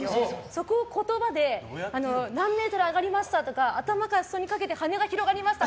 そこを言葉で何メートル上がりましたとか頭から裾にかけて羽が広がりました。